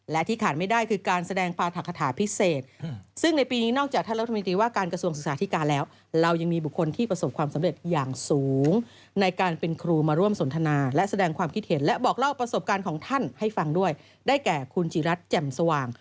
และที่ขาดไม่ได้คือการแสดงปาถักฐาพิเศษซึ่งในปีนี้นอกจากท่านรัฐมนิติว่าการกระทรวงศึกษาธิกาแล้ว